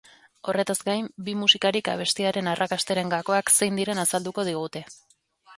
Horretaz gain, bi musikarik abestiaren arrakastaren gakoak zein diren azalduko digute.